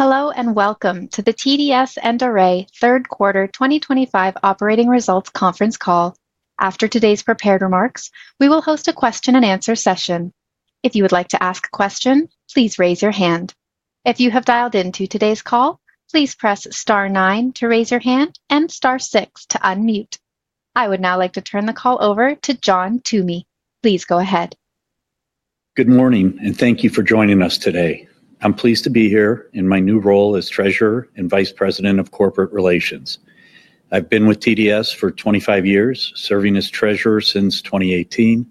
Hello and welcome to the TDS and Array Third Quarter 2025 Operating Results Conference Call. After today's prepared remarks, we will host a question-and-answer session. If you would like to ask a question, please raise your hand. If you have dialed into today's call, please press star nine to raise your hand and star six to unmute. I would now like to turn the call over to John Toomey. Please go ahead. Good morning and thank you for joining us today. I'm pleased to be here in my. New role as Treasurer and Vice President of Corporate Relations. I've been with TDS for 25 years, serving as Treasurer since 2018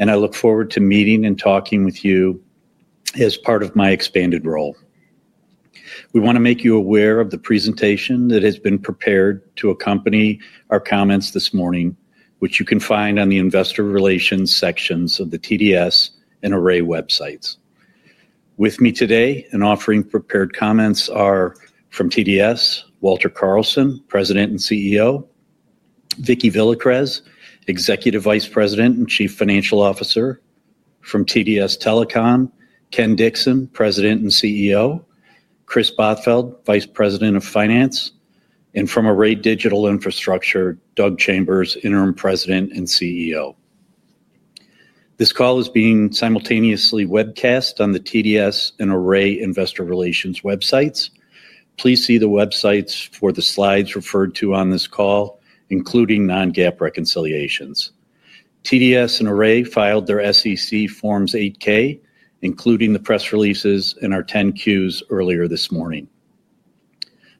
and I. Look forward to meeting and talking with you. You as part of my expanded role. We want to make you aware of the presentation that has been prepared to accompany our comments this morning, which you can find on the Investor Relations sections of the TDS and Array websites. With me today and offering prepared comments are. From TDS, Walter Carlson, President and CEO. Vicki Villacrez, Executive Vice President and Chief Financial Officer, from TDS Telecom, Ken Dixon, President and CEO, Kris Bothfeld, Vice President of Finance, and from Array Digital Infrastructure. Doug Chambers, Interim President and CEO. This call is being simultaneously webcast on the TDS and Array Investor Relations websites. Please see the websites for the slides referred to on this call, including non-GAAP reconciliations. TDS and Array filed their SEC Forms 8-K, including the press releases and our 10-Qs earlier this morning.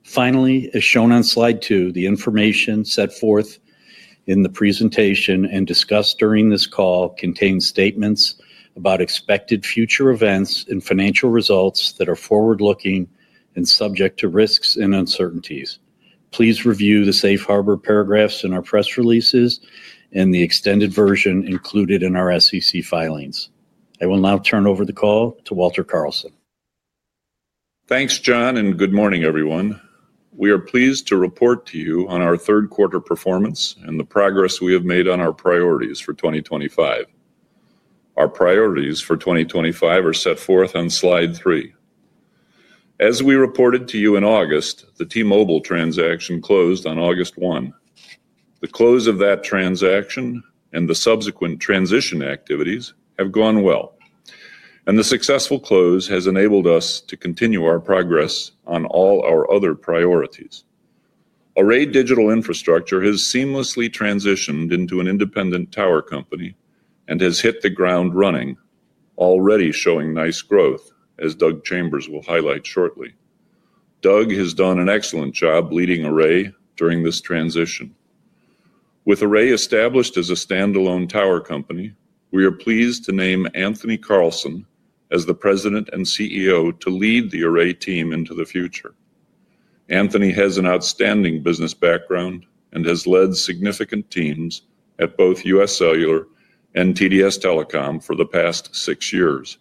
Finally, as shown on slide two, the information set forth in the presentation and discussed during this call contains statements about expected future events and financial results that are forward-looking and subject to risks and uncertainties. Please review the safe harbor paragraphs in our press releases and the extended version included in our SEC filings. I will now turn over the call to Walter Carlson. Thanks John and good morning everyone. We are pleased to report to you on our third quarter performance and the progress we have made on our priorities for 2025. Our priorities for 2025 are set forth on slide three. As we reported to you in August, the T-Mobile transaction closed on August 1. The close of that transaction and the subsequent transition activities have gone well and the successful close has enabled us to continue our progress on all our other priorities. Array Digital Infrastructure has seamlessly transitioned into an independent tower company and has hit the ground running already showing nice growth as Doug Chambers will highlight shortly. Doug has done an excellent job leading Array during this transition. With Array established as a standalone tower company, we are pleased to name Anthony Carlson as the President and CEO to lead the Array team into the future. Anthony has an outstanding business background and has led significant teams at both UScellular and TDS Telecom for the past 6 years.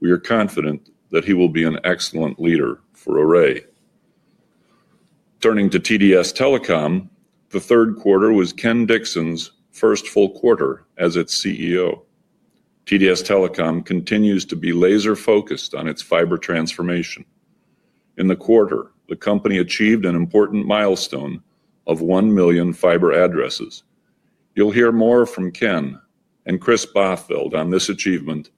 We are confident that he will be an excellent leader for Array. Turning to TDS Telecom, the third quarter was Ken Dixon's first full quarter as its CEO. TDS Telecom continues to be laser focused on its fiber transformation. In the quarter, the company achieved an important milestone of 1 million fiber addresses. You'll hear more from Ken and Kris Bothfeld on this achievement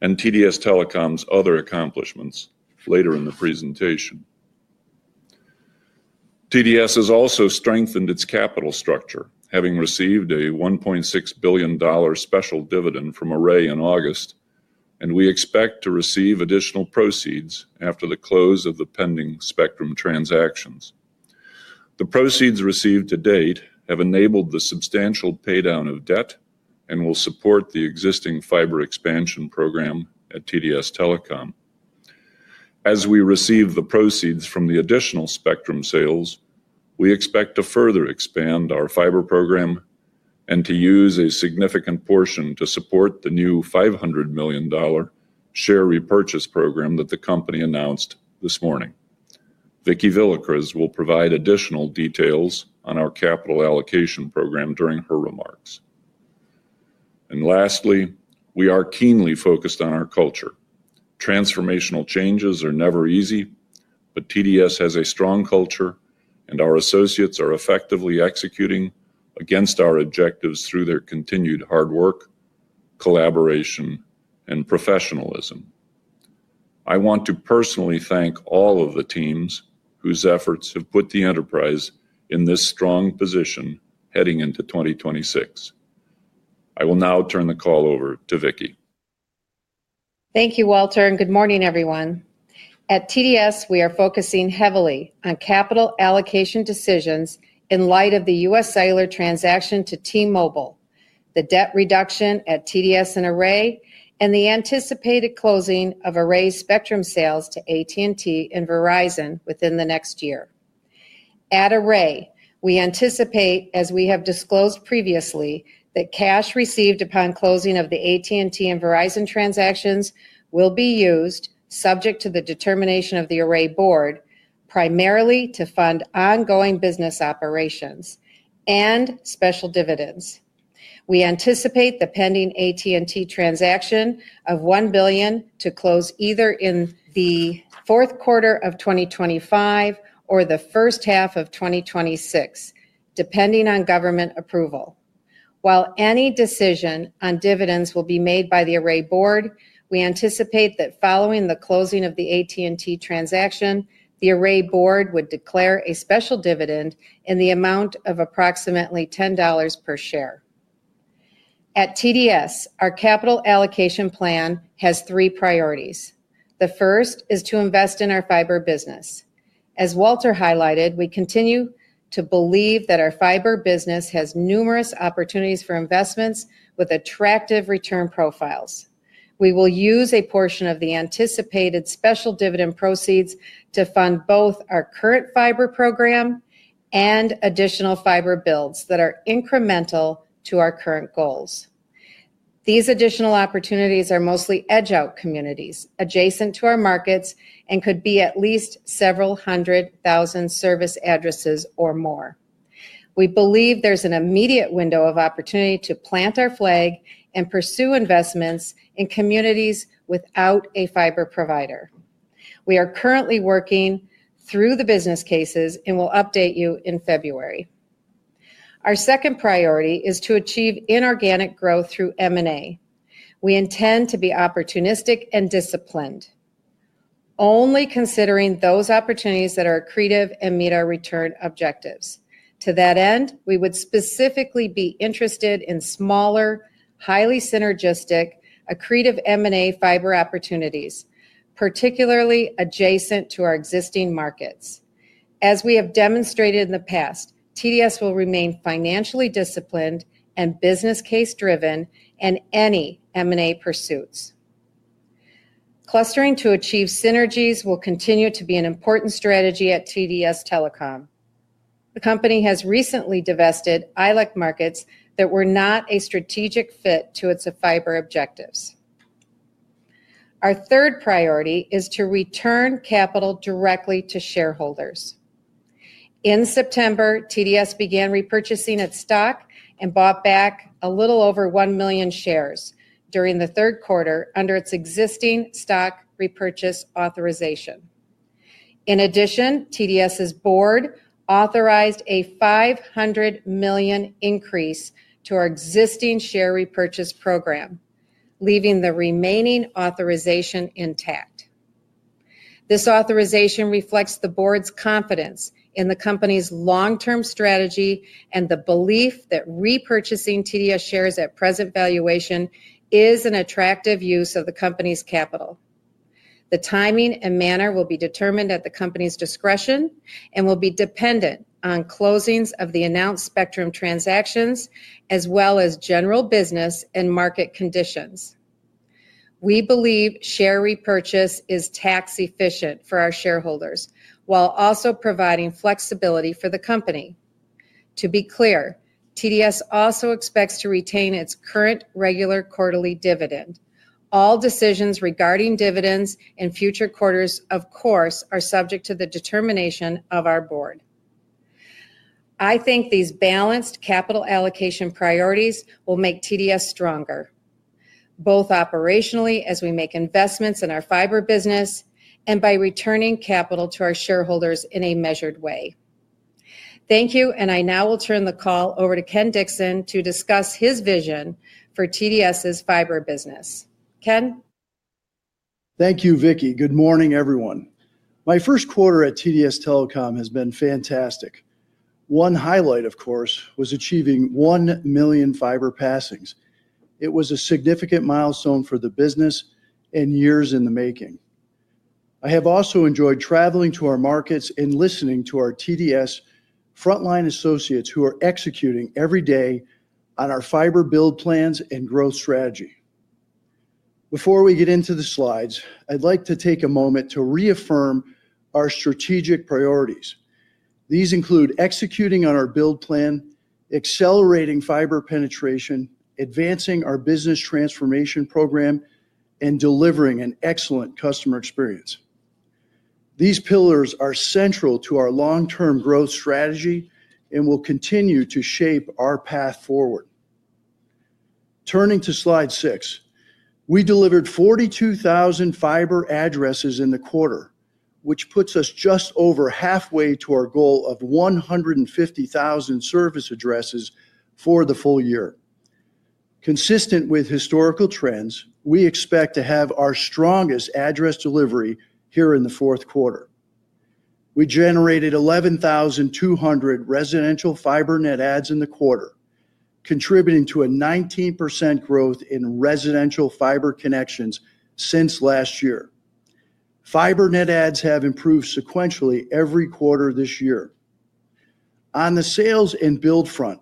and TDS Telecom's other accomplishments later in the presentation. TDS has also strengthened its capital structure, having received a $1.6 billion special dividend from Array in August and we expect to receive additional proceeds after the close of the pending spectrum transactions. The proceeds received to date have enabled the substantial paydown of debt and will support the existing fiber expansion program at TDS Telecom. As we receive the proceeds from the additional spectrum sales, we expect to further expand our fiber program and to use a significant portion to support the new $500 million share repurchase program that the company announced this morning. Vicki Villacrez will provide additional details on our capital allocation program during her remarks. Lastly, we are keenly focused on our culture. Transformational changes are never easy, but TDS has a strong culture and our associates are effectively executing against our objectives through their continued hard work, collaboration, and professionalism. I want to personally thank all of the teams whose efforts have put the enterprise in this strong position heading into 2026. I will now turn the call over to Vicki. Thank you, Walter, and good morning, everyone. At TDS, we are focusing heavily on capital allocation decisions in light of the UScellular transaction to T-Mobile, the debt reduction at TDS and Array, and the anticipated closing of Array's spectrum sales to AT&T and Verizon within the next year. At Array, we anticipate, as we have disclosed previously, that cash received upon closing of the AT&T and Verizon transactions will be used, subject to the determination of the Array Board, primarily to fund ongoing business operations and special dividends. We anticipate the pending AT&T transaction of $1 billion to close either in the fourth quarter of 2025 or the first half of 2026, depending on government approval. While any decision on dividends will be made by the Array Board, we anticipate that following the closing of the AT&T transaction, the Array Board would declare a special dividend in the amount of approximately $10 per share at TDS. Our capital allocation plan has three priorities. The first is to invest in our fiber business. As Walter highlighted, we continue to believe that our fiber business has numerous opportunities for investments with attractive return profiles. We will use a portion of the anticipated special dividend proceeds to fund both our current fiber prograM&Additional fiber builds that are incremental to our current goals. These additional opportunities are mostly edge out communities adjacent to our markets and could be at least several hundred thousand service addresses or more. We believe there's an immediate window of opportunity to plant our flag and pursue investments in communities without a fiber provider. We are currently working through the business cases and will update you in February. Our second priority is to achieve inorganic growth through M&A. We intend to be opportunistic and disciplined, only considering those opportunities that are accretive and meet our return objectives. To that end, we would specifically be interested in smaller, highly synergistic, accretive M&A fiber opportunities, particularly adjacent to our existing markets. As we have demonstrated in the past, TDS will remain financially disciplined and business case driven in any M&A pursuits. Clustering to achieve synergies will continue to be an important strategy at TDS Telecom. The company has recently divested ILEC markets that were not a strategic fit to its fiber objectives. Our third priority is to return capital directly to shareholders. In September, TDS began repurchasing its stock and bought back a little over 1 million shares during the third quarter under its existing stock repurchase authorization. In addition, TDS's Board authorized a $500 million increase to our existing share repurchase program, leaving the remaining authorization intact. This authorization reflects the Board's confidence in the company's long term strategy and the belief that repurchasing TDS shares at present valuation is an attractive use of the company's capital. The timing and manner will be determined at the company's discretion and will be dependent on closings of the announced spectrum transactions as well as general business and market conditions. We believe share repurchase is tax efficient for our shareholders while also providing flexibility for the company. To be clear, TDS also expects to retain its current regular quarterly dividend. All decisions regarding dividends in future quarters, of course, are subject to the determination of our Board. I think these balanced capital allocation priorities will make TDS stronger both operationally as we make investments in our fiber business and by returning capital to our shareholders in a measured way. Thank you. I now will turn the call over to Ken Dixon to discuss his vision for TDS's fiber business. Ken, Thank you, Vicki. Good morning everyone. My first quarter at TDS Telecom has been fantastic. One highlight of course was achieving 1 million fiber passings. It was a significant milestone for the business and years in the making. I have also enjoyed traveling to our markets and listening to our TDS frontline associates who are executing every day on our fiber build plans and growth strategy. Before we get into the slides, I'd like to take a moment to reaffirm our strategic priorities. These include executing on our build plan, accelerating fiber penetration, advancing our business transformation program, and delivering an excellent customer experience. These pillars are central to our long term growth strategy and will continue to shape our path forward. Turning to slide six, we delivered 42,000 fiber addresses in the quarter, which puts us just over halfway to our goal of 150,000 service addresses for the full year. Consistent with historical trends, we expect to have our strongest address delivery here in the fourth quarter. We generated 11,200 residential fiber net adds in the quarter, contributing to a 19% growth in residential fiber connections since last year. Fiber net adds have improved sequentially every quarter this year. On the sales and build front,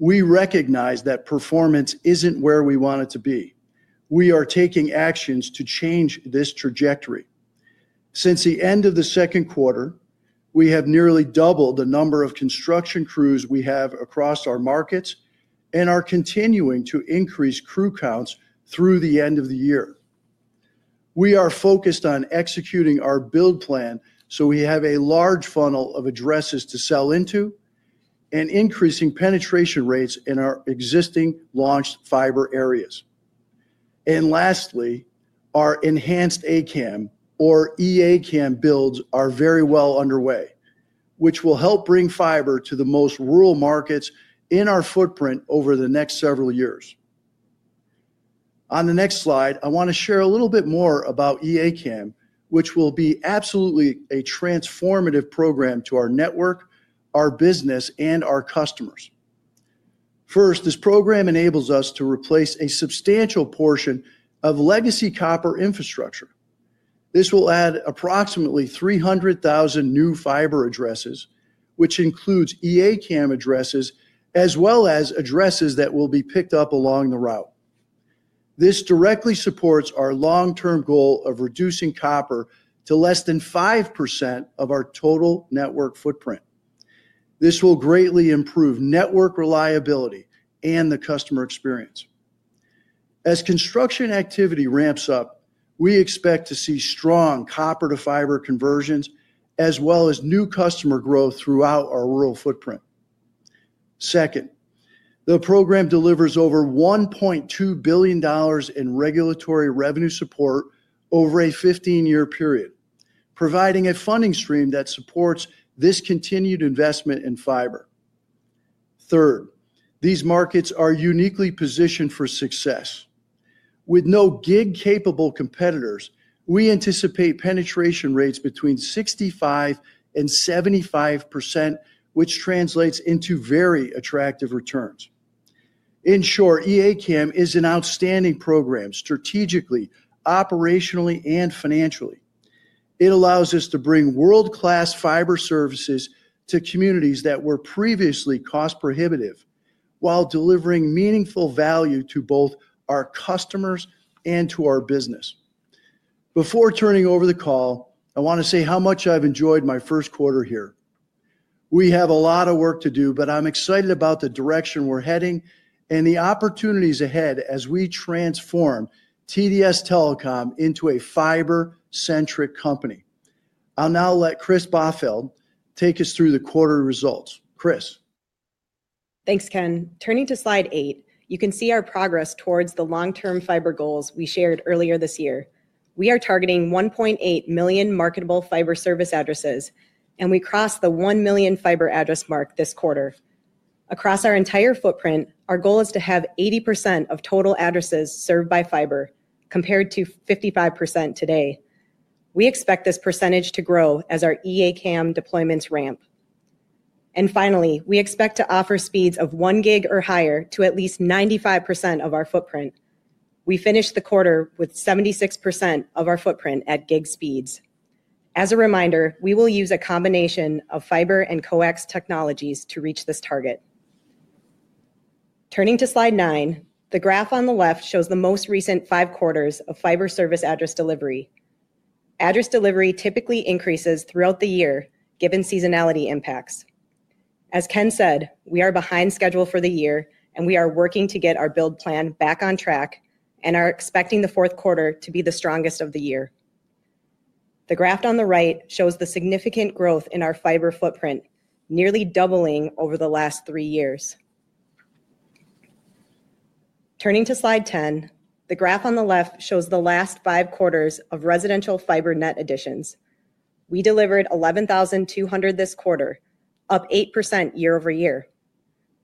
we recognize that performance isn't where we want it to be. We are taking actions to change this trajectory. Since the end of the second quarter, we have nearly doubled the number of construction crews we have across our markets and are continuing to increase crew counts through the end of the year. We are focused on executing our build plan so we have a large funnel of addresses to sell into and increasing penetration rates in our existing launched fiber areas. Lastly, our enhanced A-CAM or E-ACAM builds are very well underway which will help bring fiber to the most rural markets in our footprint over the next several years. On the next slide, I want to share a little bit more about E-ACAM which will be absolutely a transformative program to our network, our business, and our customers. First, this program enables us to replace a substantial portion of legacy copper infrastructure. This will add approximately 300,000 new fiber addresses, which includes E-ACAM addresses as well as addresses that will be picked up along the route. This directly supports our long-term goal of reducing copper to less than 5% of our total network footprint. This will greatly improve network reliability and the customer experience. As construction activity ramps up, we expect to see strong copper to fiber conversions as well as new customer growth throughout our rural footprint. Second, the program delivers over $1.2 billion in regulatory revenue support over a 15 year period, providing a funding stream that supports this continued investment in fiber. Third, these markets are uniquely positioned for success with no gig capable competitors. We anticipate penetration rates between 65% and 75% which translates into very attractive returns. In short, E-ACAM is an outstanding program strategically, operationally, and financially. It allows us to bring world class fiber services to communities that were previously cost prohibitive while delivering meaningful value to both our customers and to our business. Before turning over the call, I want to say how much I've enjoyed my first quarter here. We have a lot of work to do, but I'm excited about the direction we're heading and the opportunities ahead as we transform TDS Telecom into a fiber centric company. I'll now let Kris Bothfeld take us through the quarter results. Kris, Thanks Ken. Turning to slide eight, you can see our progress towards the long term fiber goals we shared earlier this year. We are targeting 1.8 million marketable fiber service addresses and we crossed the 1 million fiber address mark this quarter across our entire footprint. Our goal is to have 80% of total addresses served by fiber compared to 55% today. We expect this percentage to grow as our E-ACAM deployments ramp and finally, we expect to offer speeds of 1 gig or higher to at least 95% of our footprint. We finished the quarter with 76% of our footprint at gig speeds. As a reminder, we will use a combination of fiber and coax technologies to reach this target. Turning to slide nine, the graph on the left shows the most recent five quarters of fiber service address delivery. Address delivery typically increases throughout the year given seasonality impacts. As Ken said, we are behind schedule for the year and we are working to get our build plan back on track and are expecting the fourth quarter to be the strongest of the year. The graph on the right shows the significant growth in our fiber footprint nearly doubling over the last 3 years. Turning to slide 10, the graph on the left shows the last five quarters of residential fiber net additions. We delivered 11,200 this quarter, up 8% year-over-year.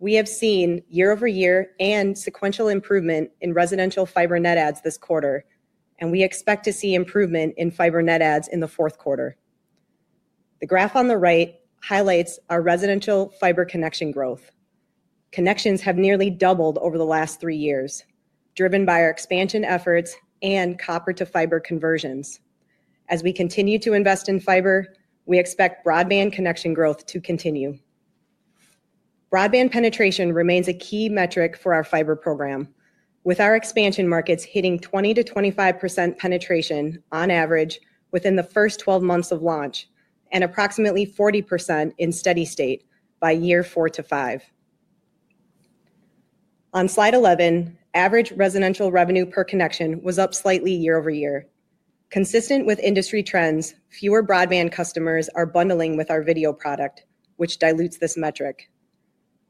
We have seen year-over-year and sequential improvement in residential fiber net adds this quarter and we expect to see improvement in fiber net adds in the fourth quarter. The graph on the right highlights our residential fiber connection growth. Connections have nearly doubled over the last 3 years driven by our expansion efforts and copper to fiber conversions. As we continue to invest in fiber, we expect broadband connection growth to continue. Broadband penetration remains a key metric for our fiber program, with our expansion markets hitting 20%-25% penetration on average within the first 12 months of launch and approximately 40% in steady state by year 4-5. On slide 11, average residential revenue per connection was up slightly year-over-year, consistent with industry trends. Fewer broadband customers are bundling with our video product, which dilutes this metric.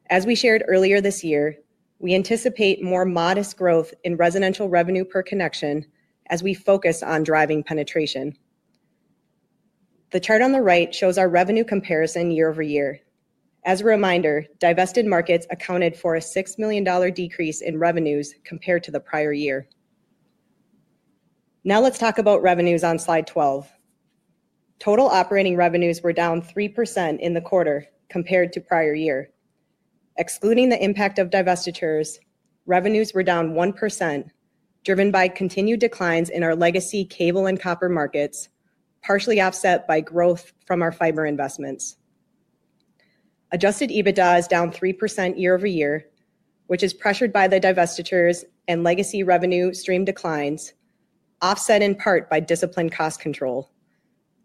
As we shared earlier this year, we anticipate more modest growth in residential revenue per connection as we focus on driving penetration. The chart on the right shows our revenue comparison year-over-year. As a reminder, divested markets accounted for a $6 million decrease in revenues compared to the prior year. Now let's talk about revenues on slide 12. Total operating revenues were down 3% in the quarter compared to prior year. Excluding the impact of divestitures, revenues were down 1%, driven by continued declines in our legacy cable and copper markets, partially offset by growth from our fiber investments. Adjusted EBITDA is down 3% year-over-year, which is pressured by the divestitures and legacy revenue stream declines offset in part by disciplined cost control.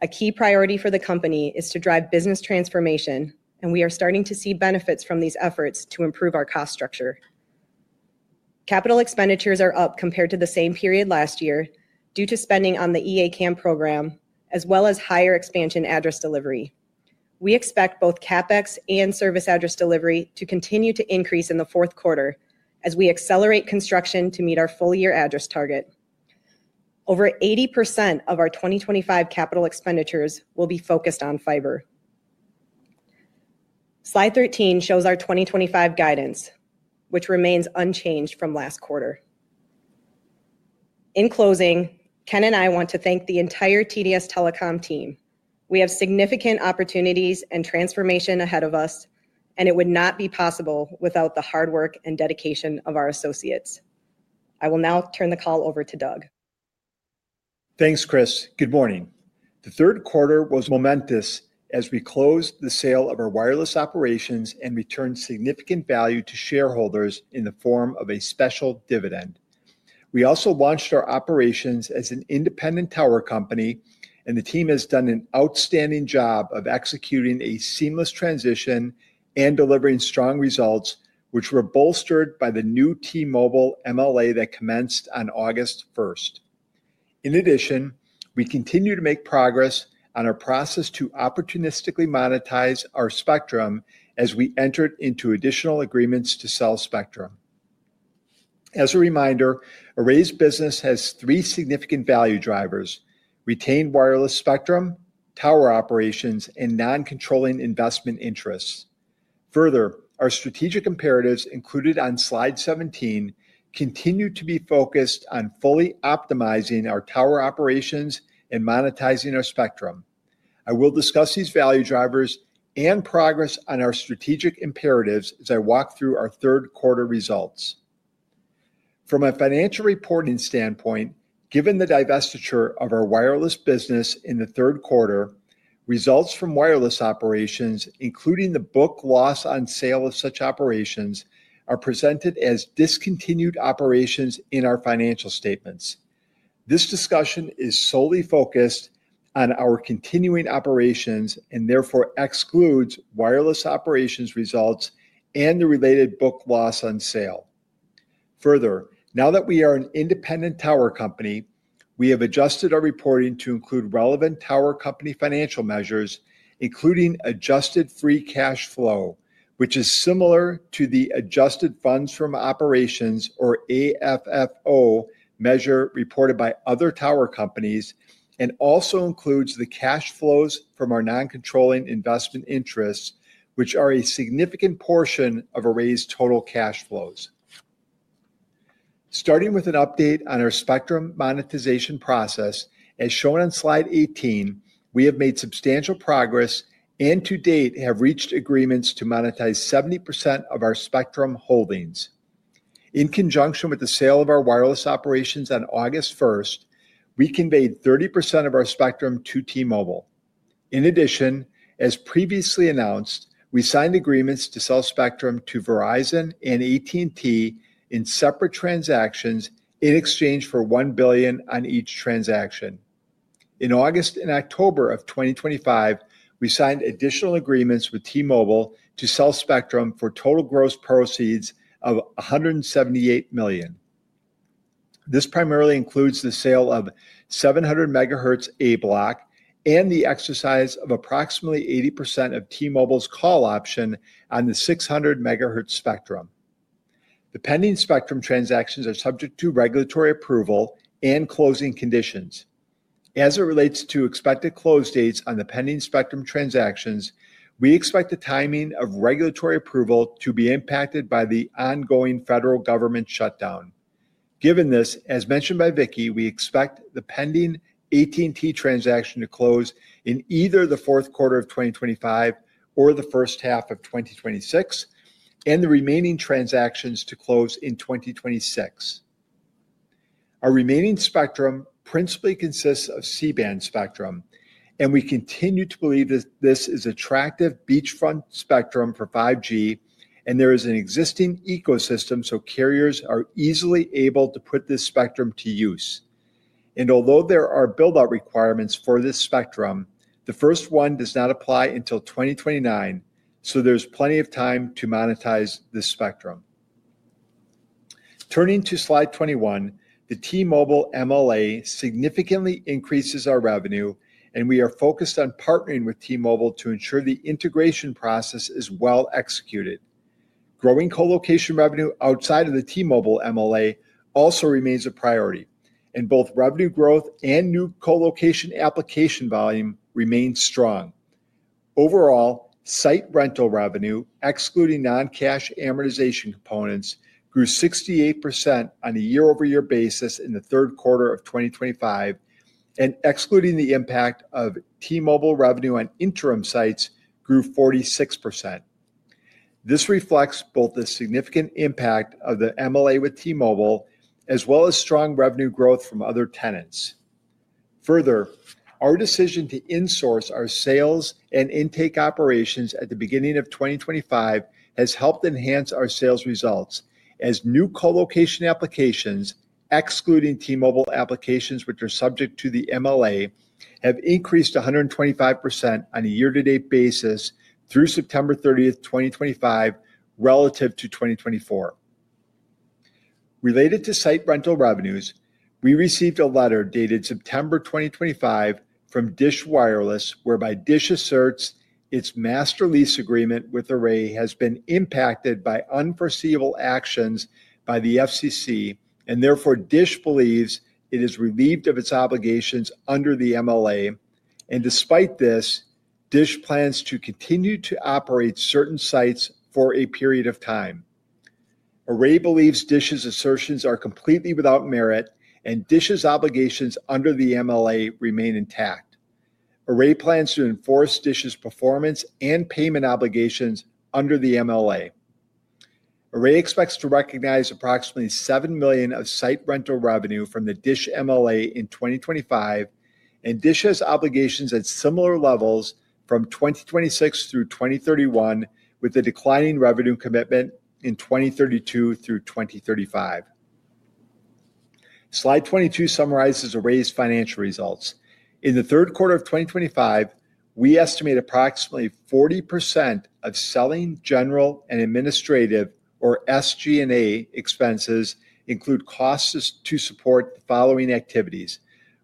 A key priority for the company is to drive business transformation and we are starting to see benefits from these efforts to improve our cost structure. Capital expenditures are up compared to the same period last year due to spending on the E-ACAM program as well as higher expansion address delivery. We expect both CapEx and service address delivery to continue to increase in the fourth quarter as we accelerate construction to meet our full year address target. Over 80% of our 2025 capital expenditures will be focused on fiber. Slide 13 shows our 2025 guidance which remains unchanged from last quarter. In closing, Ken and I want to thank the entire TDS Telecom team. We have significant opportunities and transformation ahead of us and it would not be possible without the hard work and dedication of our associates. I will now turn the call over to Doug. Thanks, Kris. Good morning. The third quarter was momentous as we closed the sale of our wireless operations and returned significant value to shareholders in the form of a special dividend. We also launched our operations as an independent tower company, and the team has done an outstanding job of executing a seamless transition and delivering strong results, which were bolstered by the new T-Mobile MLA that commenced on August 1st. In addition, we continue to make progress on our process to opportunistically monetize our spectrum as we entered into additional agreements to sell spectrum. As a reminder, Array's business has three significant value retained: wireless spectrum, tower operations, and non-controlling investment interests. Further, our strategic imperatives included on slide 17 continue to be focused on fully optimizing our tower operations and monetizing our spectrum. I will discuss these value drivers and progress on our strategic imperatives as I walk through our third quarter results from a financial reporting standpoint given the divestiture of our wireless business in the third quarter. Results from wireless operations including the book loss on sale of such operations are presented as discontinued operations in our financial statements. This discussion is solely focused on our continuing operations and therefore excludes wireless operations results and the related book loss on sale. Further, now that we are an independent tower company, we have adjusted our reporting to include relevant tower company financial measures including adjusted free cash flow which is similar to the adjusted funds from operations or AFFO measure reported by other tower companies and also includes the cash flows from our non controlling investment interests which are a significant portion of Array's total cash flows. Starting with an update on our spectrum monetization process as shown in slide 18, we have made substantial progress and to date have reached agreements to monetize 70% of our spectrum holdings in conjunction with the sale of our wireless operations. On August 1st, we conveyed 30% of our spectrum to T-Mobile. In addition, as previously announced, we signed agreements to sell spectrum to Verizon and AT&T in separate transactions in exchange for $1 billion on each transaction. In August and October of 2025, we signed additional agreements with T-Mobile to sell spectrum for total gross proceeds of $178 million. This primarily includes the sale of 700 MHz A Block and the exercise of approximately 80% of T-Mobile's call option on the 600 MHz spectrum. The pending spectrum transactions are subject to regulatory approval and closing conditions. As it relates to expected close dates on the pending spectrum transactions, we expect the timing of regulatory approval to be impacted by the ongoing federal government shutdown. Given this, as mentioned by Vicki, we expect the pending AT&T transaction to close in either the fourth quarter of 2025 or the first half of 2026 and the remaining transactions to close in 2026. Our remaining spectrum principally consists of C-band spectrum and we continue to believe that this is attractive beachfront spectrum for 5G and there is an existing ecosystem so carriers are easily able to put this spectrum to use and although there are build out requirements for this spectrum, the first one does not apply until 2029, so there's plenty of time to monetize this spectrum. Turning to slide 21, the T-Mobile MLA significantly increases our revenue and we are focused on partnering with T-Mobile to ensure the integration process is well executed. Growing colocation revenue outside of the T-Mobile MLA also remains a priority and both revenue growth and new colocation application volume remains strong. Overall site rental revenue excluding non-cash amortization components grew 68% on a year-over-year basis in the third quarter of 2025 and excluding the impact of T-Mobile revenue on interim sites grew 46%. This reflects both the significant impact of the MLA with T-Mobile as well as strong revenue growth from other tenants. Further, our decision to insource our sales and intake operations at the beginning of 2025 has helped enhance our sales results as new colocation applications excluding T-Mobile applications which are subject to the MLA have increased 125% on a year-to-date basis through September 30, 2025 relative to 2024. Related to site rental revenues, we received a letter dated September 2025 from DISH Wireless whereby DISH asserts its master lease agreement with Array has been impacted by unforeseeable actions by the FCC and therefore DISH believes it is relieved of its obligations under the MLA and despite this, DISH plans to continue to operate certain sites for a period of time. Array believes DISH's assertions are completely without merit and DISH's obligations under the MLA remain intact. Array plans to enforce DISH's performance and payment obligations under the MLA. Array expects to recognize approximately $7 million of site rental revenue from the DISH MLA in 2025, and DISH has obligations at similar levels from 2026 through 2031 with a declining revenue commitment in 2032-2035. Slide 22 summarizes Array's financial results in the third quarter of 2025. We estimate approximately 40% of selling, general, and administrative or SG&A expenses include costs to support the following activities: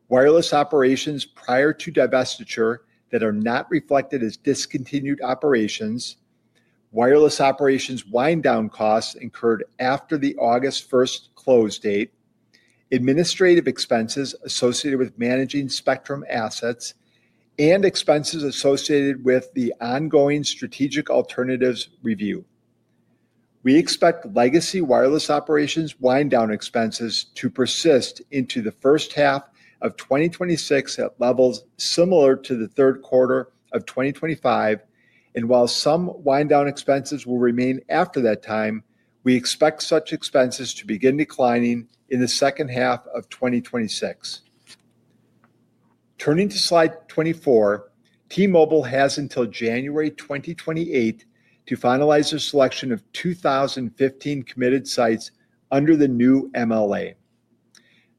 wireless operations prior to divestiture and that are not reflected as discontinued operations, wireless operations wind down costs incurred after the August 1st close date, administrative expenses associated with managing spectrum assets, and expenses associated with the ongoing Strategic Alternatives Review. We expect legacy wireless operations wind down expenses to persist into the first half of 2026 at levels similar to the third quarter of 2025, and while some wind down expenses will remain after that time, we expect such expenses to begin declining in the second half of 2026. Turning to slide 24, T-Mobile has until January 2028 to finalize their selection of 2,015 committed sites under the new MLA.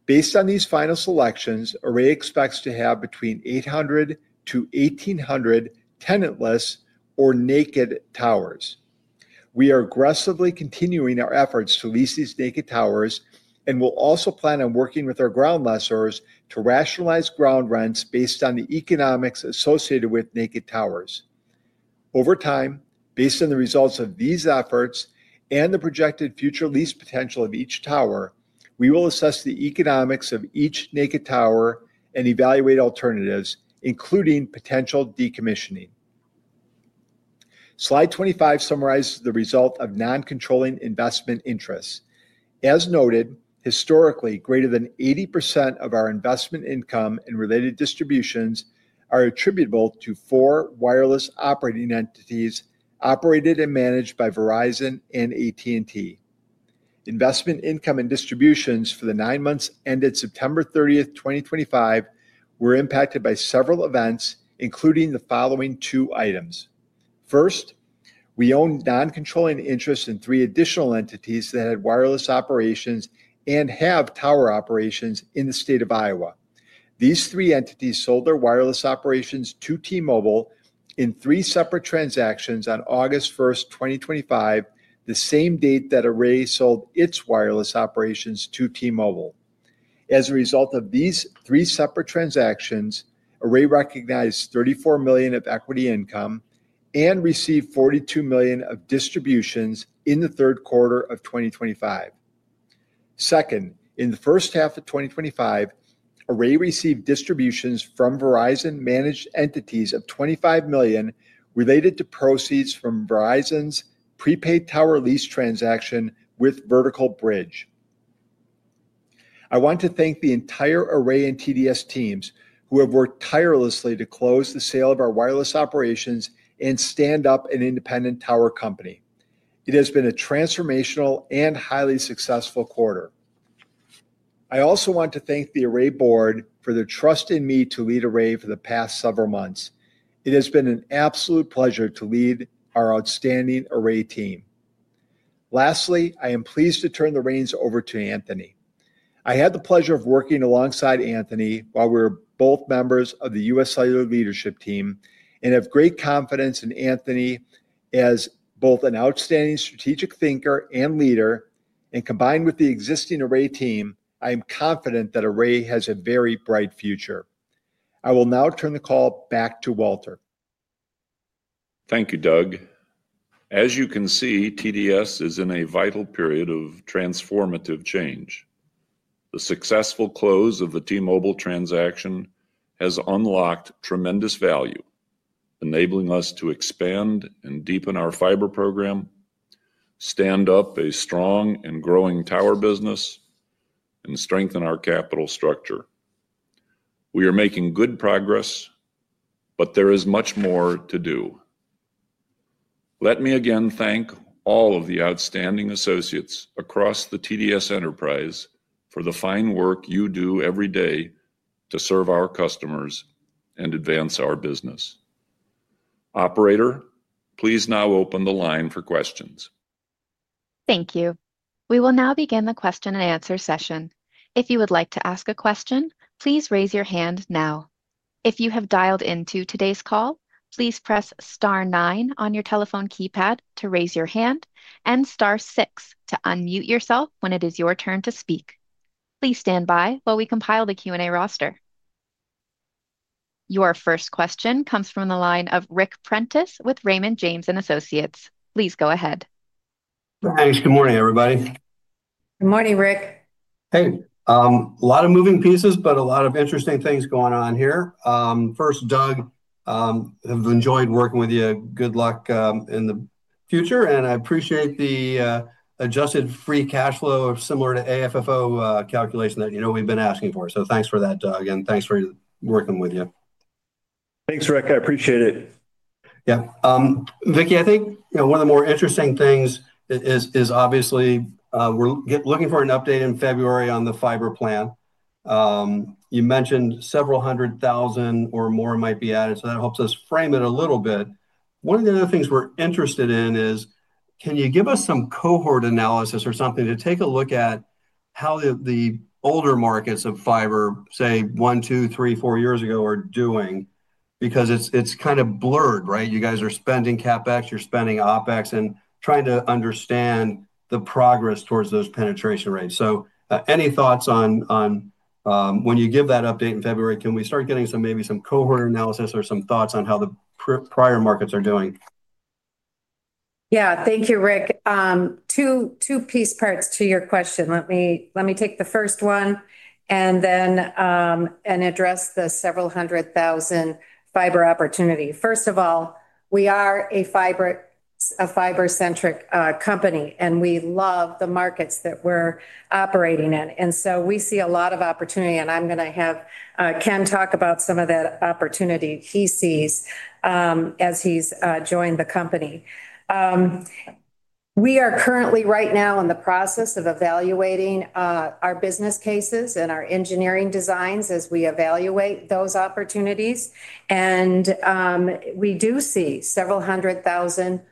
Based on these final selections, Array expects to have between 800-1,800 tenantless or naked towers. We are aggressively continuing our efforts to lease these naked towers and will also plan on working with our ground lessors to rationalize ground rents based on the economics associated with naked towers over time. Based on the results of these efforts and the projected future lease potential of each tower, we will assess the economics of each naked tower and evaluate alternatives including potential decommissioning. Slide 25 summarizes the result of non-controlling investment interests. As noted, historically, greater than 80% of our investment income and related distributions are attributable to four wireless operating entities operated and managed by Verizon and AT&T. Investment income and distributions for the nine months ended September 30th, 2025 were impacted by several events, including the following two items. First, we own non-controlling interest in three additional entities that had wireless operations and have tower operations in the state of Iowa. These three entities sold their wireless operations to T-Mobile in three separate transactions on August 1st, 2025, the same date that Array sold its wireless operations to T-Mobile. As a result of these three separate transactions, Array recognized $34 million of equity income and received $42 million of distributions in the third quarter of 2025. Second, in the first half of 2025, Array received distributions from Verizon managed entities of $25 million related to proceeds from Verizon's prepaid tower lease transaction with Vertical Bridge. I want to thank the entire Array and TDS teams who have worked tirelessly to close the sale of our wireless operations and stand up an independent tower company. It has been a transformational and highly successful quarter. I also want to thank the Array Board for their trust in me to lead Array for the past several months. It has been an absolute pleasure to lead our outstanding Array team. Lastly, I am pleased to turn the reins over to Anthony. I had the pleasure of working alongside Anthony while we were both members of the UScellular leadership team and have great confidence in Anthony as both an outstanding strategic thinker and leader and combined with the existing Array team, I am confident that Array has a very bright future. I will now turn the call back to Walter. Thank you, Doug. As you can see, TDS is in a vital period of transformative change. The successful close of the T-Mobile transaction has unlocked tremendous value, enabling us to expand and deepen our fiber program, stand up a strong and growing tower business, and strengthen our capital structure. We are making good progress, but there is much more to do. Let me again thank all of the outstanding associates across the TDS enterprise for the fine work you do every day to serve our customers and advance our business. Operator, please now open the line for questions. Thank you. We will now begin the question-and-answer session. If you would like to ask a question, please raise your hand. If you have dialed into today's call, please press star nine on your telephone keypad to raise your hand and star six to unmute yourself when it is your turn to speak. Please stand by while we compile the Q&A roster. Your first question comes from the line of Ric Prentiss with Raymond James & Associates. Please go ahead. Thanks. Good morning, everybody. Good morning, Ric. Hey, a lot of moving pieces, but a lot of interesting things going on here. First, Doug, have enjoyed working with you. Good luck in the future. I appreciate the adjusted free cash flow similar to AFFO calculation that, you know, we've been asking for. Thanks for that again. Thanks for working with you. Thanks, Ric. I appreciate it. Yeah. Vicki, I think one of the more interesting things is obviously we're looking for an update in February on the fiber plan you mentioned. Several hundred thousand or more might be added, so that helps us frame it a little bit. One of the other things we're interested in is can you give us some cohort analysis or something to take a look at how the older markets of fiber, say 1, 2, 3, 4 years ago are doing? Because it's kind of blurred, right? You guys are spending CapEx, you're spending OpEx and trying to understand the progress towards those penetration rates. Any thoughts on when you give that update in February, can we start getting some, maybe some cohort analysis or some thoughts on how the prior markets are doing? Yeah. Thank you. Ric. Two piece parts to your question. Let me take the first one and then address the several hundred thousand fiber opportunity. First of all, we are a fiber-centric company and we love the markets that we're operating in and we see a lot of opportunity. I'm going to have Ken talk about some of that opportunity he sees as he's joined the company. We are currently right now in the process of evaluating our business cases and our engineering designs as we evaluate those opportunities. We do see several hundred thousand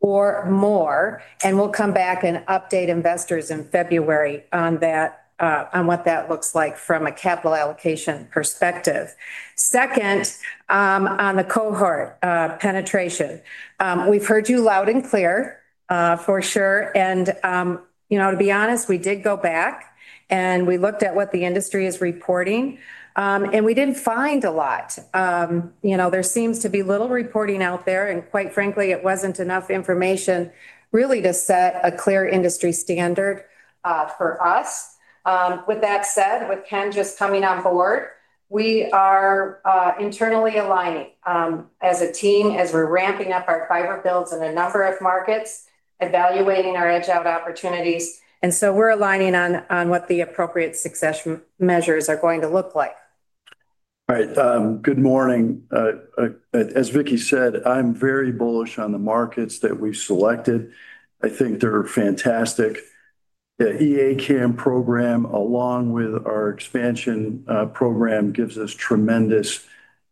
or more. We'll come back and update investors in February on what that looks like from a capital allocation perspective. Second, on the cohort penetration, we've heard you loud and clear for sure. You know, to be honest, we did go back and we looked at what the industry is reporting and we did not find a lot. You know, there seems to be little reporting out there and quite frankly it was not enough information really to set a clear industry standard for us. With that said, with Ken just coming on board, we are internally aligning as a team as we are ramping up our fiber builds in a number of markets, evaluating our edge out opportunities. We are aligning on what the appropriate succession measures are going to look like. Good morning. As Vicki said, I'm very bullish on the markets that we selected, I think they're fantastic. The E-ACAM program along with our expansion program gives us tremendous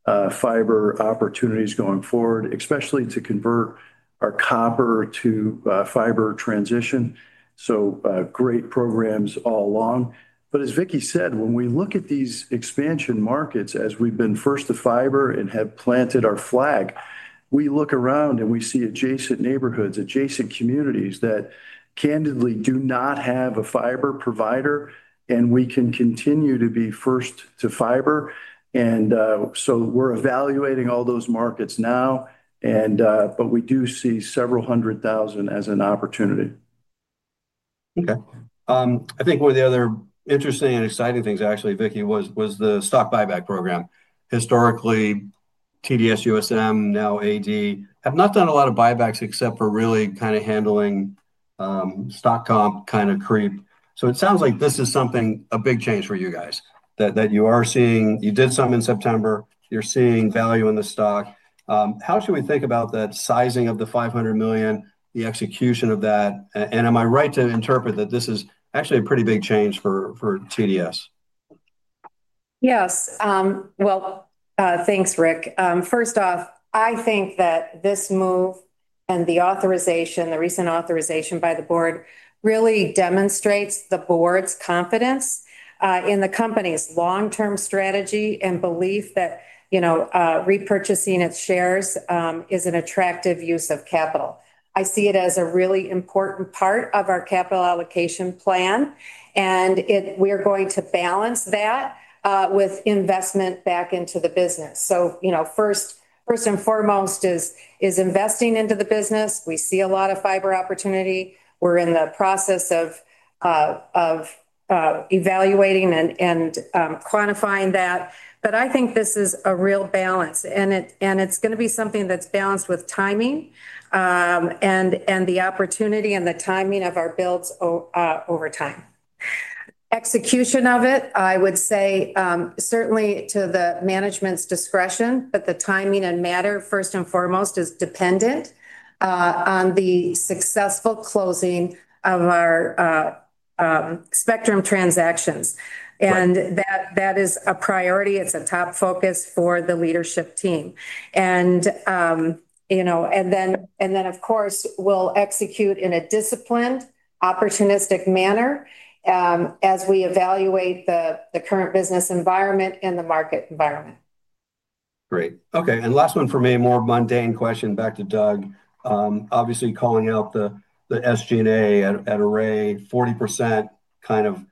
fiber opportunities going forward especially to convert our copper to fiber transition. Great programs all along. As Vicki said, when we look at these expansion markets as we've been first to fiber and have planted our flag, we look around and we see adjacent neighborhoods, adjacent communities that candidly do not have a fiber provider and we can continue to be first to fiber. We're evaluating all those markets now, but we do see several hundred thousand as an opportunity. Okay. I think one of the other interesting and exciting things actually, Vicki, was the stock buyback program. Historically, TDS, USM, now AD, have not done a lot of buybacks except for really kind of handling stock comp kind of creep. It sounds like this is something, a big change for you guys that you are seeing. You did something in September, you are seeing value in the stock. How should we think about that sizing of the $500 million, the execution of that. Am I right to interpret that this is actually a pretty big change for TDS? Yes. Thanks, Ric. First off, I think that this move and the recent authorization by the board really demonstrates the board's confidence in the company's long-term strategy and belief that, you know, repurchasing its shares is an attractive use of capital. I see it as a really important part of our capital allocation plan, and we are going to balance that with investment back into the business. You know, first and foremost is investing into the business. We see a lot of fiber opportunity. We're in the process of evaluating and quantifying that. I think this is a real balance, and it's going to be something that's balanced with timing and the opportunity and the timing of our builds over time. Execution of it, I would say, certainly to the management's discretion. The timing and matter first and foremost is dependent on the successful closing of our spectrum transactions. That is a priority. It's a top focus for the leadership team. Of course, we'll execute in a disciplined opportunistic manner as we evaluate the current business environment and the market environment. Great. Okay. Last one for me, more mundane question back to Doug. Obviously calling out the SG&A at Array, 40% kind of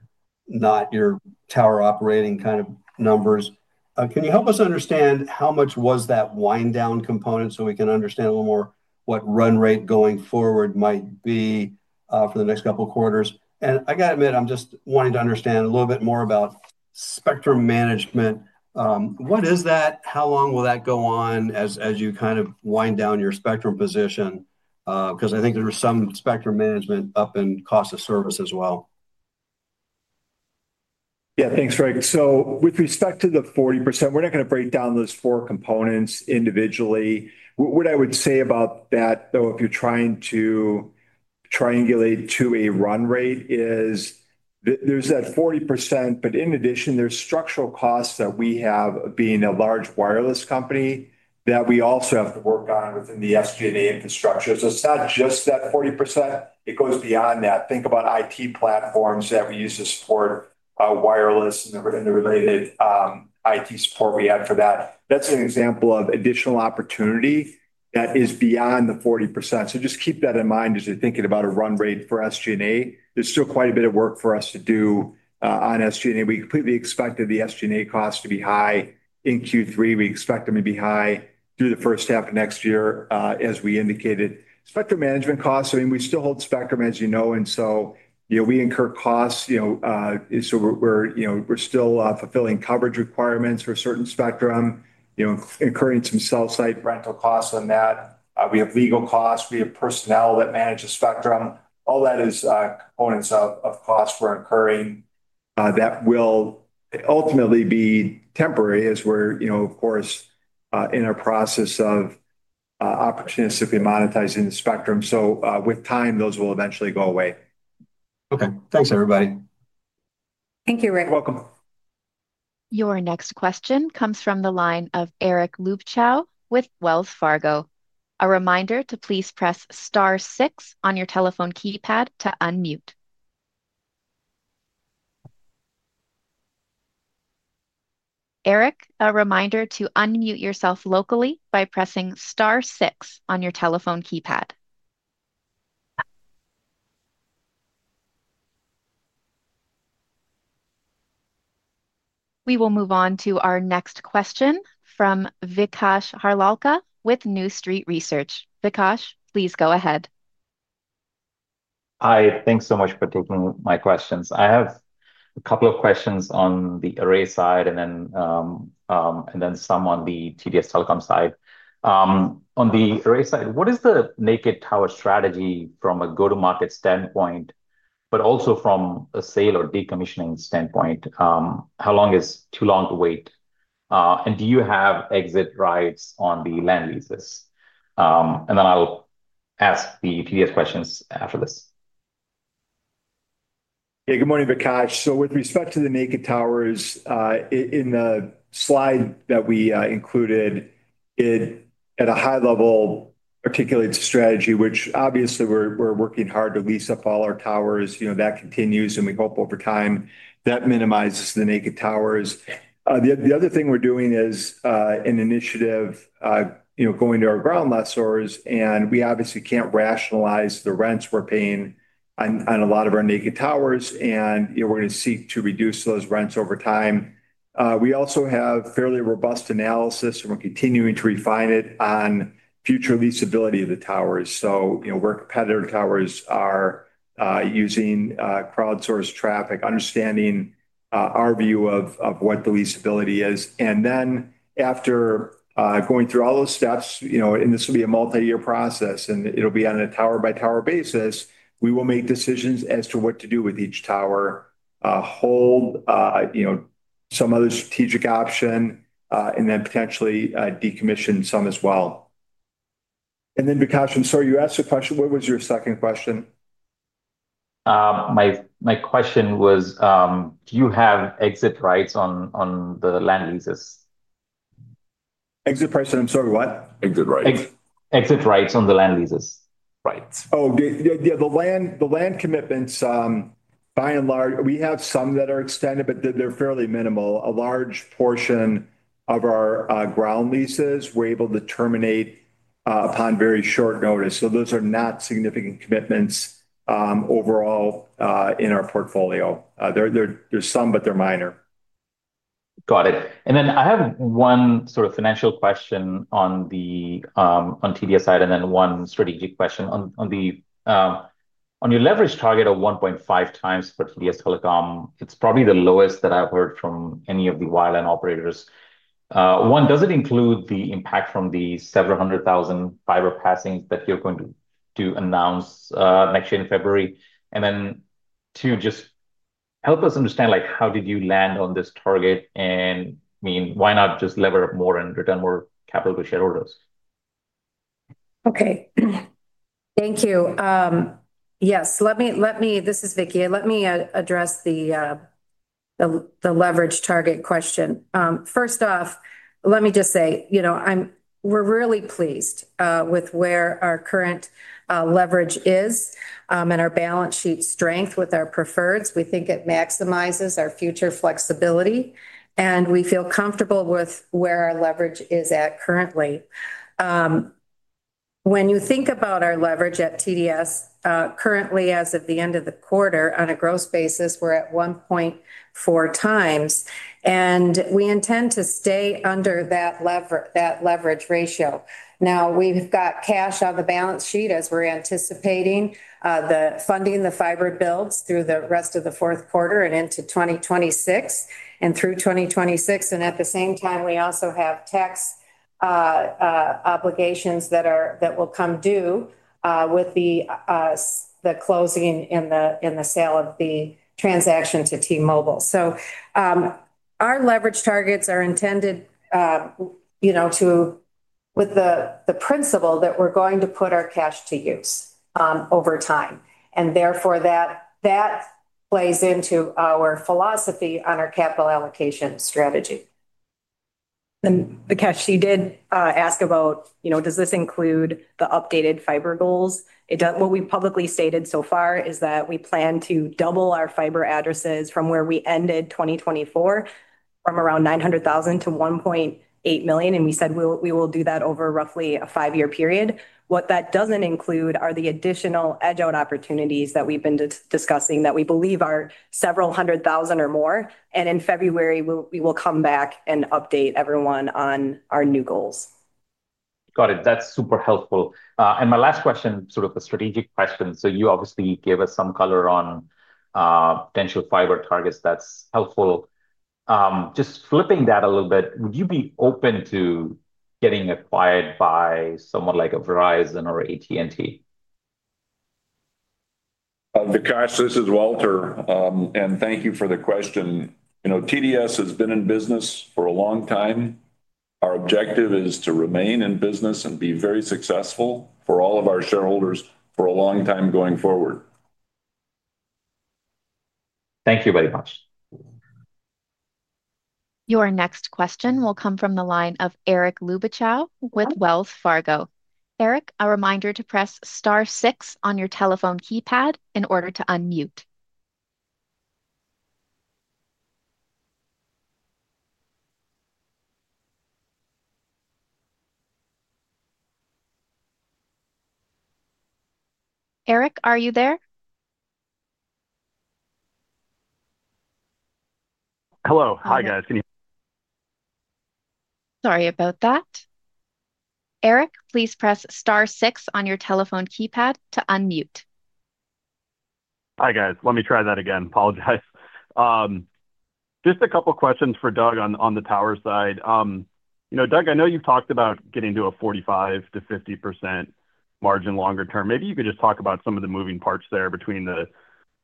not your tower operating kind of numbers. Can you help us understand how much was that wind down component? So we can understand a little more what run rate going forward might be for the next couple of quarters. I got to admit, I'm just wanting to understand a little bit more about spectrum management. What is that? How long will that go on as you kind of wind down your spectrum position? Because I think there are some spectrum management up in cost of service as well. Yeah, thanks, Ric. With respect to the 40%, we're not going to break down those four components individually. What I would say about that though, if you're trying to triangulate to a run rate, is there's that 40%, but in addition there's structural costs that we have being a large wireless company that we also have to work on within the SG&A infrastructure. It's not just that 40%, it goes beyond that. Think about IT platforms that we use to support wireless and the related IT support we add for that. That's an example of additional opportunity that is beyond the 40%. Just keep that in mind as you're thinking about a run rate for SG&A. There's still quite a bit of work for us to do on SG&A. We completely expected the SG&A costs to be high in Q3. We expect them to be high through the first half of next year. As we indicated, spectrum management costs. I mean, we still hold spectrum, as you know, and so, you know, we incur costs, you know, so we're, you know, we're still fulfilling coverage requirements for a certain spectrum, you know, incurring some cell site rental costs on that. We have legal costs, we have personnel that manage the spectrum. All that is components of cost we're incurring that will ultimately be temporary as we're, you know, of course, in a process of opportunistically monetizing the spectrum. With time those will eventually go away. Okay, thanks everybody. Thank you, Ric. Welcome. Your next question comes from the line of Eric Luebchow with Wells Fargo. A reminder to please press star six on your telephone keypad to unmute. Eric, a reminder to unmute yourself locally by pressing star six on your telephone keypad. We will move on to our next question from Vikash Harlalka with New Street Research. Vikash, please go ahead. Hi, thanks so much for taking my questions. I have a couple of questions on the Array side and then some on the TDS Telecom side. On the Array side, what is the naked tower strategy from a go-to-market standpoint, but also from a sale or decommissioning standpoint? How long is too long to wait? Do you have exit rights on the land leases? I will ask the TDS questions after this. Yeah, good morning, Vikash. With respect to the naked towers in the slide that we included, it at a high level articulates strategy, which obviously we're working hard to lease up all our towers. That continues, and we hope over time that minimizes the naked towers. The other thing we're doing is an initiative, you know, going to our ground lessors, and we obviously can't rationalize the rents we're paying on a lot of our naked towers, and we're going to seek to reduce those rents over time. We also have fairly robust analysis, and we're continuing to refine it on future leasability of the towers. You know, where competitor towers are, using crowdsourced traffic, understanding our view of what the leasability is. After going through all those steps, you know, and this will be a multi year process and it'll be on a tower by tower basis, we will make decisions as to what to do with each tower, hold, you know, some other strategic option, and then potentially decommission some as well. And then. Vikash, I'm sorry, you asked a question. What was your second question? My question was do you have exit rights on the land leases, exit price? I'm sorry, what? Exit rights? Exit rights on the land leases. Rights. Oh yeah, the land, the land commitments. By and large we have some that are extended, but they're fairly minimal. A large portion of our ground leases were able to terminate upon very short notice. Those are not significant commitments overall in our portfolio. There's some, but they're minor. Got it. I have one sort of financial question on the TDS side and then one strategic question. On your leverage target of 1.5x for TDS Telecom, it's probably the lowest that I've heard from any of the Wildland operators. One, does it include the impact from the several hundred thousand fiber passings that you're going to announce next year in February? Two, just help us understand like how did you land on this target and I mean why not just lever. More and return more capital to shareholders. Okay, thank you. Yes, let me, let me, this is Vicki. Let me address the leverage target question. First off, let me just say, you know, we're really pleased with where our current leverage is and our balance sheet strength with our preferreds. We think it maximizes our future flexibility and we feel comfortable with where our leverage is at currently. When you think about our leverage at TDS currently as of the end of the quarter, on a gross basis, we're at 1.4x and we intend to stay under that leverage ratio. Now we've got cash on the balance sheet as we're anticipating the funding, the fiber builds through the rest of the fourth quarter and into 2026 and through 2026. At the same time, we also have tax obligations that will come due with the closing in the sale of the transaction to T-Mobile. Our leverage targets are intended with the principle that we're going to put our cash to use over time and therefore that that plays into our philosophy on our capital allocation strategy. Vikash, you did ask about, you know, does this include the updated fiber goals? What we publicly stated so far is that we plan to double our fiber addresses from where we ended 2024, from around 900,000 to 1.8 million. We said we will do that over roughly a 5 year period. What that does not include are the additional edge out opportunities that we have been discussing that we believe are several hundred thousand or more. In February, we will come back and update everyone on our new goals. Got it. That's super helpful. My last question, sort of a strategic question. You obviously gave us some color on potential fiber targets. That's helpful. Just flipping that a little bit. Would you be open to getting acquired by someone like a Verizon or AT&T? Vikash, this is Walter. Thank you for the question. You know, TDS has been in business for a long time. Our objective is to remain in business and be very successful for all of our shareholders for a long time going forward. Thank you very much. Your next question will come from the line of Eric Luebchow with Wells Fargo. Eric, a reminder to press star six on your telephone keypad in order to unmute. Eric, are you there? Hello? Hi, guys. Sorry about that. Eric, please press star six on your telephone keypad to unmute. Hi, guys. Let me try that again. Apologize. Just a couple questions for Doug on the tower side. You know, Doug, I know you've talked about getting to a 45%-50% margin longer term. Maybe you could just talk about some of the moving parts there between the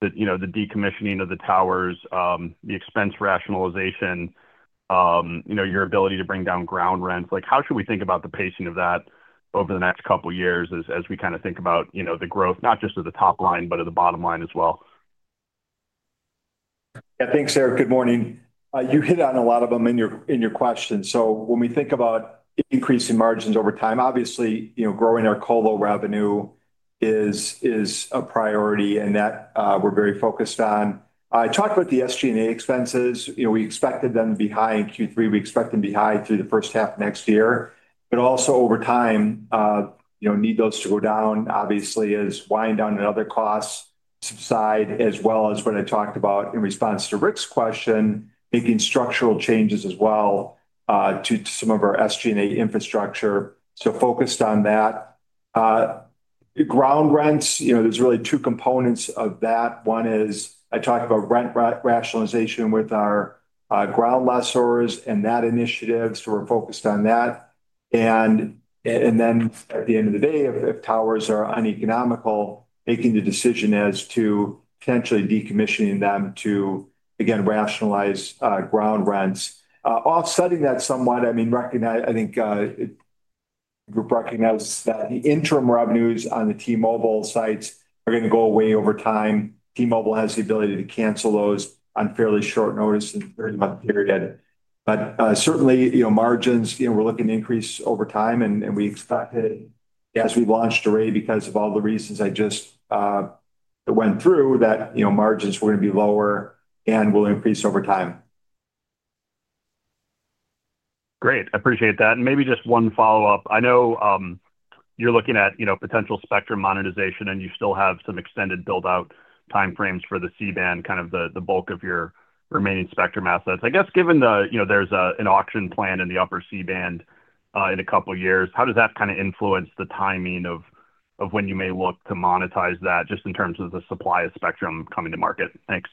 decommissioning of the towers, the expense rationalization, you know, your ability to bring down ground rents. Like, how should we think about the pacing of that over the next couple years as we kind of think about, you know, the growth not just at. The top line, but at the bottom line as well. Thanks, Eric. Good morning. You hit on a lot of them in your question. When we think about increasing margins over time, obviously, you know, growing our colo revenue is a priority and that we are very focused on. I talked about the SG&A expenses. You know, we expected them to be high in Q3. We expect them to be high through the first half next year. Over time, you know, need those to go down obviously as wind down and other costs subside. As well as what I talked about in response to Ric's question, making structural changes as well to some of our SG&A infrastructure. Focused on that ground rents, you know, there are really two components of that. One is I talk about rent rationalization with our ground lessors and that initiative. We're focused on that. At the end of the day, if towers are uneconomical, making the decision as to potentially decommissioning them to again rationalize ground rents, offsetting that somewhat, I mean, recognize, I think, recognize that the interim revenues on the T-Mobile sites are going to go away over time. T-Mobile has the ability to cancel those on fairly short notice in a 3-month period. Certainly, you know, margins, you know, we're looking to increase over time and we expect that as we launched Array because of all the reasons I just went through that, you know, margins were going to be lower and will increase over time. Great, appreciate that. Maybe just one follow up. I know you're looking at potential spectrum monetization and you still have some extended build out timeframes for the C-band, kind of the bulk of your remaining spectrum assets. I guess, given there's an auction plan in the upper C-band in a couple years. How does that kind of influence the. Timing of when you may look to. Monetize that just in terms of the supply spectrum coming to market? Thanks.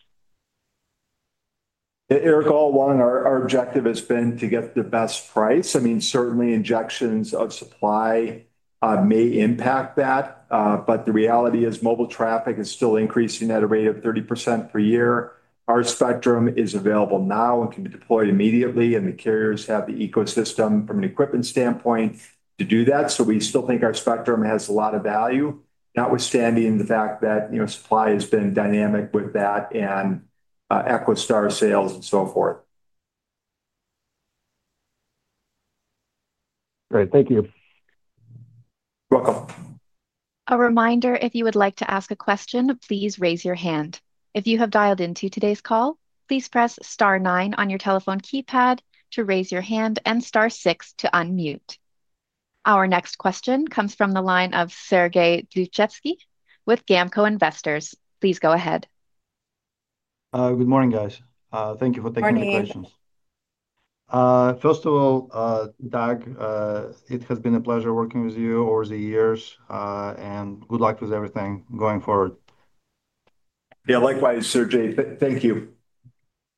Eric. All along our objective has been to get the best price. I mean certainly injections of supply, supply may impact that, but the reality is mobile traffic is still increasing at a rate of 30% per year. Our spectrum is available now and can be deployed immediately and the carriers have the ecosystem from an equipment standpoint to do that. We still think our spectrum has a lot of value, notwithstanding the fact that, you know, supply has been dynamic with that and EchoStar sales and so forth. Great, thank you. Welcome. A reminder, if you would like to ask a question, please raise your hand. If you have dialed into today's call, please press star nine on your telephone keypad to raise your hand and star six to unmute. Our next question comes from the line of Sergey Dluzhevskiy with GAMCO Investors. Please go ahead. Good morning guys. Thank you for taking the questions. First of all, Doug, it has been a pleasure working with you over the years and good luck with everything going forward. Yeah, likewise, Sergey. Thank you.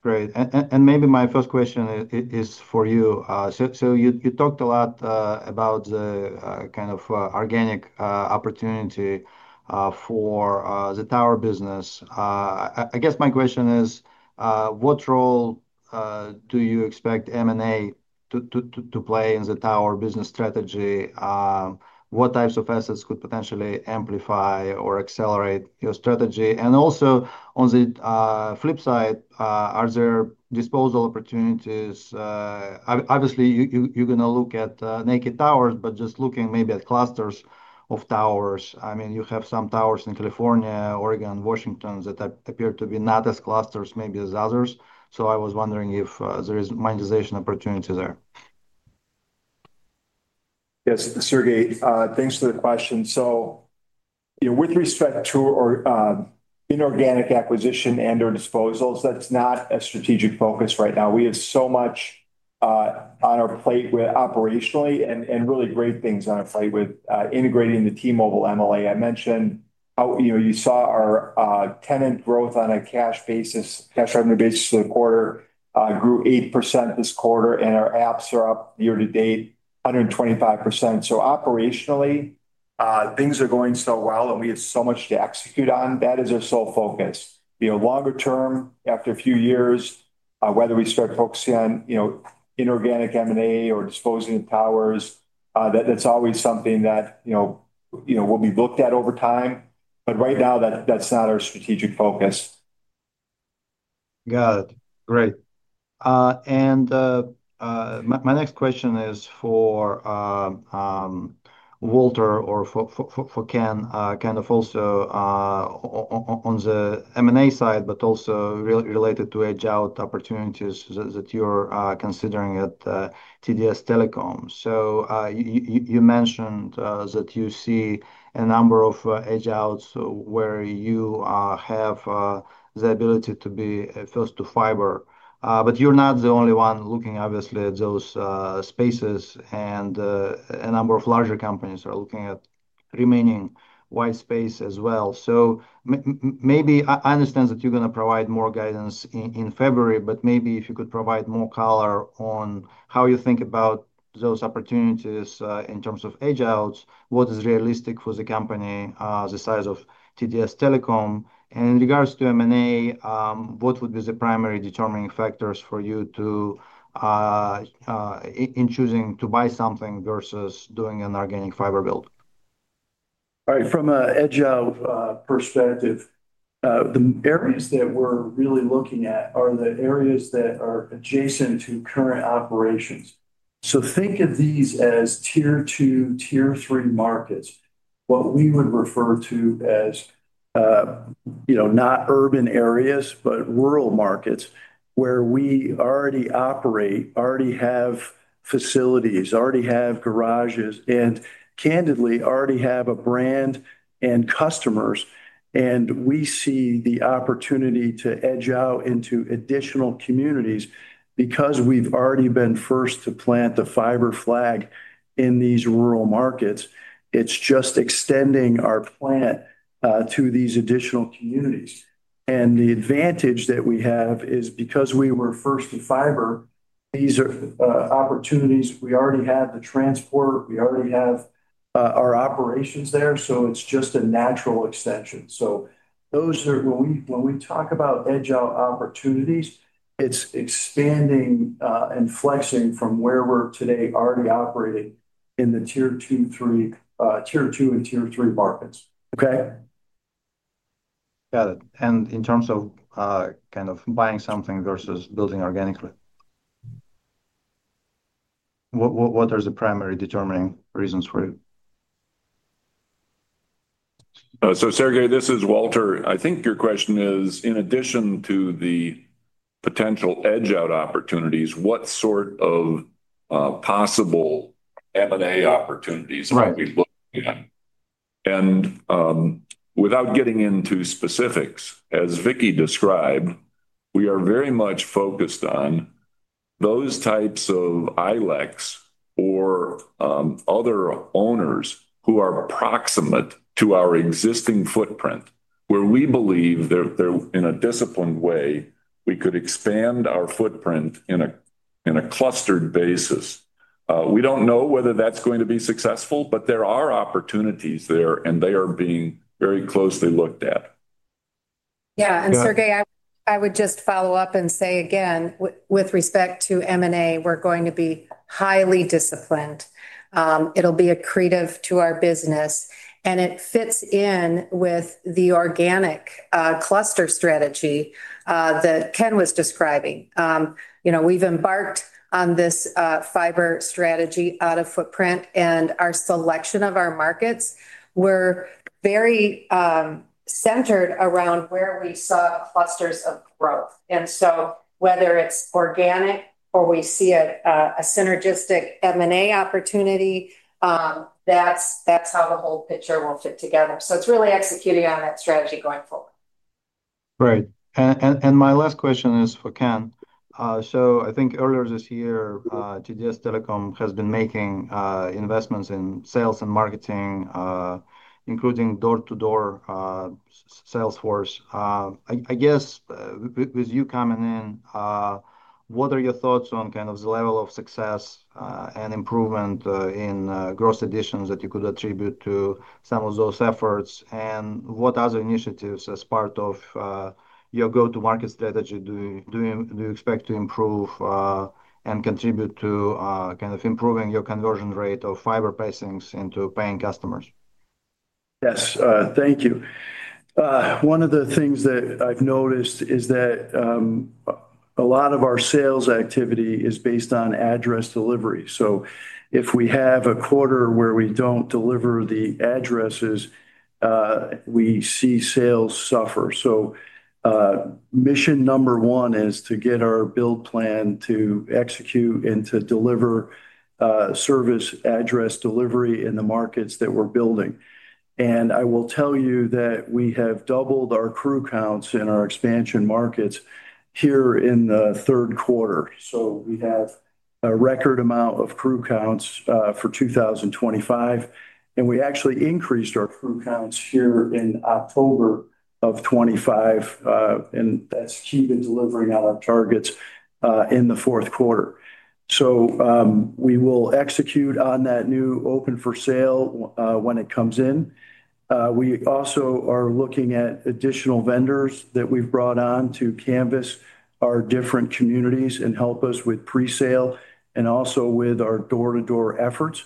Great. Maybe my first question is for you. You talked a lot about the kind of organic opportunity for the tower business. I guess my question is what role do you expect M&A to play in the tower business strategy? What types of assets could potentially amplify or accelerate your strategy? Also, on the flip side, are there disposal opportunities? Obviously, you're going to look at naked towers, but just looking maybe at clusters of towers. I mean, you have some towers in California, Oregon, Washington that appear to be not as clustered maybe as others. I was wondering if there is monetization opportunity there. Yes, Sergey, thanks for the question. With respect to inorganic acquisition and or disposals, that's not a strategic focus right now. We have so much on our plate operationally and really great things on our plate. With integrating the T-Mobile MLA I mentioned you saw our tenant growth on a cash basis. Cash revenue basis for the quarter grew 8% this quarter and our apps are up year-to-date 125%. Operationally things are going so well and we have so much to execute on. That is our sole focus. Longer term, after a few years, whether we start focusing on inorganic M&A or disposing of towers, that's always something that will be looked at over time. Right now that's not our strategic focus. Got it. Great. My next question is for. Walter. Or for Ken, kind of also on the M&A side but also related to edge out opportunities that you're considering at TDS Telecom. You mentioned that you see a number of edge outs where you have the ability to be first to fiber, but you're not the only one looking obviously at those spaces. A number of larger companies are looking at remaining white space as well. I understand that you're going to provide more guidance in February, but maybe if you could provide more color on how you think about those opportunities in terms of edge out, what is realistic for the company, the size of TDS Telecom, and in regards to M&A, what would be the primary determining factors for you in choosing to buy something versus doing an organic fiber build? All right. From an edge of perspective, the areas that we're really looking at are the areas that are adjacent to current operations. Think of these as Tier 2, Tier 3 markets, what we would refer to as, you know, not urban areas, but rural markets where we already operate, already have facilities, already have garages, and candidly already have a brand and customers. We see the opportunity to edge out into additional communities because we've already been first to plant the fiber flag in these rural markets. It's just extending our plant to these additional communities. The advantage that we have is because we were first to fiber, these are opportunities. We already have the transport, we already have our operations there. It's just a natural extension. Those are when we talk about edge out opportunities, it's expanding and flexing from where we're today already operating in the Tier 2, 3, Tier 2 and Tier 3 markets. Okay, got it. In terms of kind of buying something versus building organically, what are the primary determining reasons for it? Sergey, this is Walter. I think your question is, in addition to the potential edge out opportunities, what sort of possible M&A opportunities? Without getting into specifics, as Vicki described, we are very much focused on those types of ILECs or other owners who are proximate to our existing footprint where we believe in a disciplined way, we could expand our footprint in a clustered basis. We do not know whether that is going to be successful, but there are opportunities there and they are being very closely looked at. Yeah. And Sergey, I would just follow up and say again, with respect to M&A, we're going to be highly disciplined, it'll be accretive to our business and it fits in with the organic cluster strategy that Ken was describing. We've embarked on this fiber strategy out of footprint and our selection of our markets were very centered around where we saw clusters of growth. And whether it's organic or we see a synergistic M&A opportunity, that's how the whole picture will fit together. It's really executing on that strategy going forward. Right. My last question is for Ken. I think earlier this year TDS Telecom has been making investments in sales and marketing, including door-to-door sales force. I guess with you coming in, what are your thoughts on kind of the level of success, an improvement in gross additions that you could attribute to some of those efforts? What other initiatives as part of your go-to-market strategy do you expect to improve and contribute to kind of improving your conversion rate of fiber passings into paying customers? Yes. Thank you. One of the things that I've noticed is that a lot of our sales activity is based on address delivery. If we have a quarter where we do not deliver the addresses, we see sales suffer. Mission number one is to get our build plan to execute and to deliver service address delivery in the markets that we are building. I will tell you that we have doubled our crew counts in our expansion markets here in the third quarter. We have a record amount of crew counts for 2025 and we actually increased our crew counts here in October of 2025 and that is key to delivering on our targets in the fourth quarter. We will execute on that new open for sale when it comes in. We also are looking at additional vendors that we've brought on to canvas our different communities and help us with pre sale and also with our door-to-door efforts.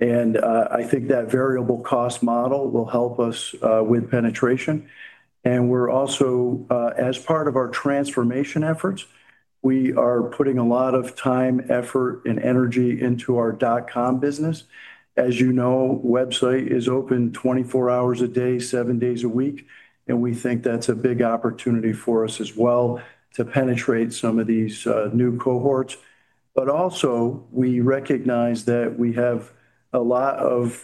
I think that variable cost model will help us with penetration. We are also as part of our transformation efforts, putting a lot of time, effort and energy into our .com business. As you know, website is open 24 hours a day, 7 days a week and we think that's a big opportunity for us as well to penetrate some of these new cohorts. We also recognize that we have a lot of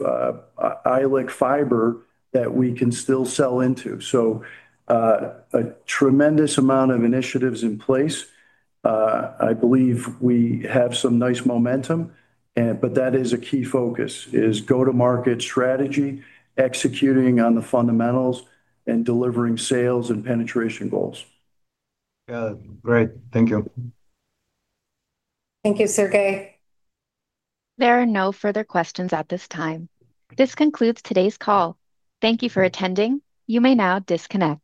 ILEC fiber that we can still sell into. A tremendous amount of initiatives in place. I believe we have some nice momentum, but that is a key focus is go-to-market strategy, executing on the fundamentals and delivering sales and penetration goals. Great. Thank you. Thank you, Sergey. There are no further questions at this time. This concludes today's call. Thank you for attending. You may now disconnect.